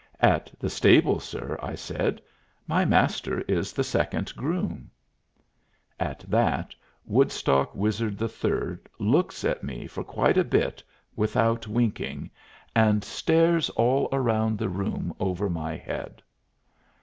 "At the stable, sir," I said. "My Master is the second groom." At that Woodstock Wizard III looks at me for quite a bit without winking, and stares all around the room over my head.